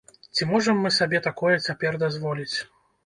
Ці можам мы сабе такое цяпер дазволіць?